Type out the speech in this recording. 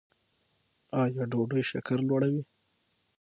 ایا ډوډۍ شکر لوړوي؟